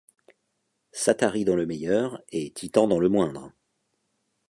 Satari dans le meilleur et Titan dans le moindre